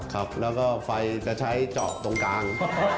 ครับแล้วก็ไฟจะใช้เจาะตรงกลาง